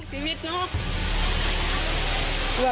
พูดไม่ออกล่ะ